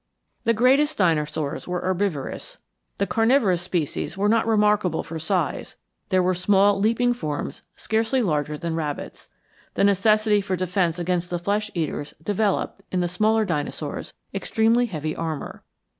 The greater dinosaurs were herbivorous. The carnivorous species were not remarkable for size; there were small leaping forms scarcely larger than rabbits. The necessity for defense against the flesh eaters developed, in the smaller dinosaurs, extremely heavy armor.